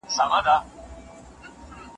که هوا سمه وي نو الوتونکي په اسمان کې ګرځي.